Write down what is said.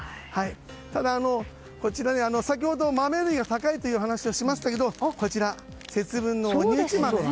ただ、先ほど豆類が高いという話をしましたがこちら、節分の鬼打ち豆。